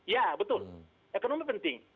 ya betul ekonomi penting